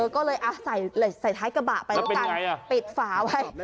ก็เลยใส่ท้ายกระบะไปแล้วกันปิดฝาไว้